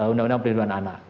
undang undang perlindungan anak